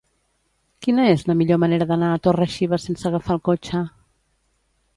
Quina és la millor manera d'anar a Torre-xiva sense agafar el cotxe?